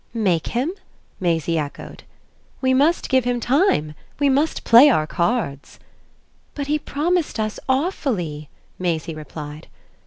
"Make him?" Maisie echoed. "We must give him time. We must play our cards." "But he promised us awfully," Maisie replied.